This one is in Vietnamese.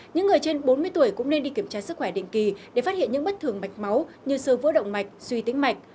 những người trên bốn mươi tuổi cũng nên đi kiểm tra sức khỏe định kỳ để phát hiện những bất thường mạch máu như sơ vữa động mạch suy tính mạch